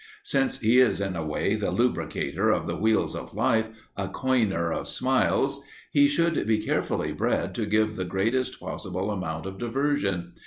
Since he is, in a way, the lubricator of the wheels of life, a coiner of smiles, he should be carefully bred to give the greatest possible amount of diversion.